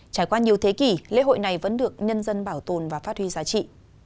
trải qua nhiều thế kỷ lễ hội này vẫn được nhân dân bảo tồn và phát huy giá trị